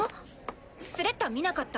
スレッタ見なかった？